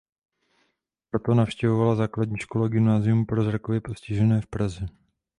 Proto navštěvovala základní školu a gymnázium pro zrakově postižené v Praze.